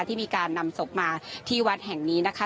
ที่มีการนำศพมาที่วัดแห่งนี้นะคะ